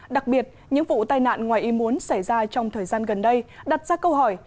đặc biệt những vụ tai nạn ngoài y muốn xảy ra trong thời gian gần đây đặt ra câu hỏi